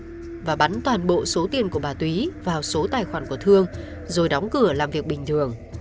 thương bắt mặt và bắn toàn bộ số tiền của bà túy vào số tài khoản của thương rồi đóng cửa làm việc bình thường